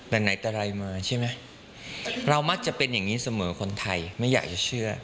แต่ไหนแต่ไรมาใช่ไหมเรามักจะเป็นอย่างนี้เสมอคนไทยไม่อยากจะเชื่อ